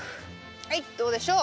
はいどうでしょう？